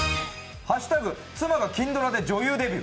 「＃妻が金ドラで女優デビュー」。